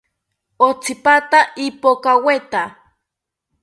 Otsipata ipokaweta